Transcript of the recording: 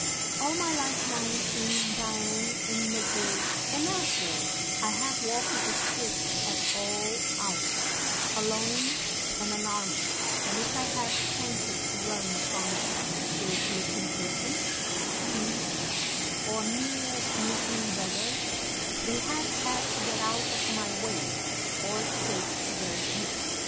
All my life long, in Jaen, in Madrid, and elsewhere, I have walked the streets at all hours, alone and unarmed, and if I have chanced to run upon suspicious looking persons, thieves, or mere sneaking beggars, they have had to get out of my way or take to their heels.